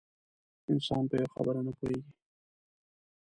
انسان په یوه خبره نه پوهېږي.